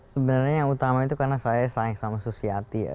sebenarnya yang utama itu karena saya sayang sama susiati ya